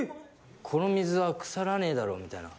「この水は腐らねえだろ」みたいな。